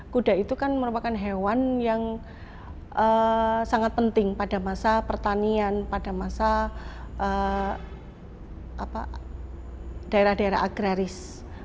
kuda kuda itu sangat penting pada masa pertanian pada masa daerah daerah agraris